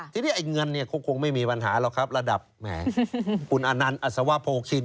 ทีนี้เงินคงไม่มีปัญหาระดับคุณอนันต์อัศวะโภคิน